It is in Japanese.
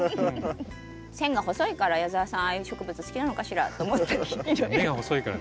線が細いから矢澤さんああいう植物好きなのかしらって思ったり。